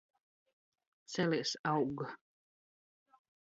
Celies aug